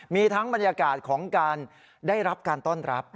มีทั้งบรรยากาศของการได้รับการต้อนรับ